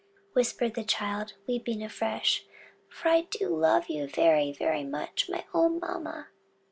whispered the child, weeping afresh: "for I do love you very, very much, my own mamma."